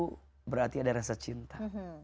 itu berarti ada rasa cinta